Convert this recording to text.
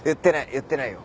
言ってないよ。